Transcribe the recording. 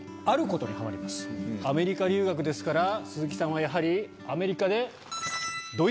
アメリカ留学ですから鈴木さんはやはりアメリカで。